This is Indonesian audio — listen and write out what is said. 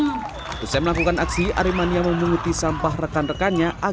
setelah melakukan aksi aremania memunguti sampah rekan rekannya